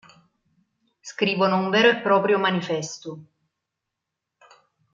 Scrivono un vero e proprio "Manifesto".